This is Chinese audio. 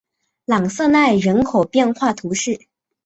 朗瑟奈人口变化图示